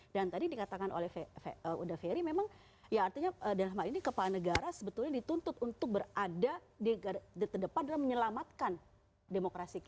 dan tadi dikatakan oleh uda ferry ya artinya dalam hal ini kepala negara sebetulnya dituntut untuk berada di terdepan dan menyelamatkan demokrasi kita